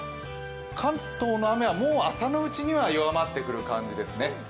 関東の雨は朝のうちには弱まってくる感じですね。